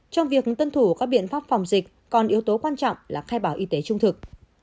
trong việc tuân thủ các biện pháp phòng dịch còn yếu tố quan trọng là khai báo y tế trung thực